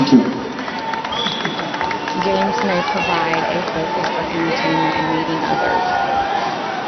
Games may provide a focus for entertainment and meeting others.